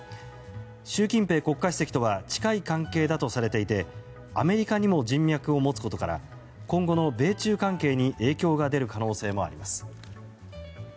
習近平国家主席とは近い関係だとされていてアメリカにも人脈を持つことから今後の米中関係に影響が出る可能性もあります。